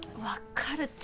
分かる。